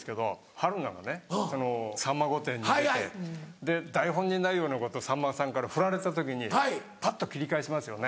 春菜がね『さんま御殿‼』に出てで台本にないようなことさんまさんからふられた時にパッと切り返しますよね。